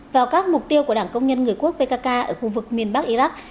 vào các mục tiêu của đảng công nhân người quốc pkk ở khu vực miền bắc iraq